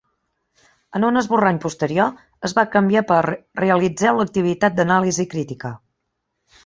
En un esborrany posterior, es va canviar per "realitzeu l'activitat d'anàlisi crítica".